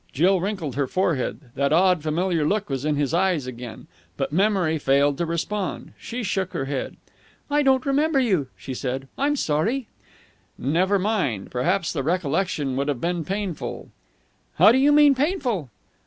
Jill wrinkled her forehead. That odd familiar look was in his eyes again. But memory failed to respond. She shook her head. "I don't remember you," she said. "I'm sorry." "Never mind. Perhaps the recollection would have been painful." "How do you mean, painful?"